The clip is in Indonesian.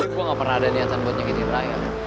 gue gak pernah ada niatan buat nyakitin raya